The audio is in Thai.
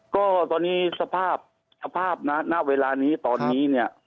ก็ตอนนี้สภาพนานาเวลานี้ตอนนี้